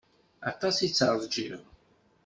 Aṭas i tt-rjiɣ.